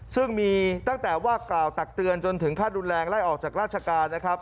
ซึ่งมีตั้งแต่ว่ากล่าวตักเตือนจนถึงขั้นรุนแรงไล่ออกจากราชการนะครับ